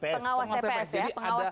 pengawas tps ya